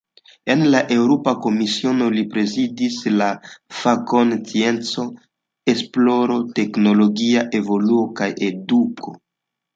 En la Eŭropa Komisiono, li prezidis la fakojn "scienco, esploro, teknologia evoluo kaj eduko".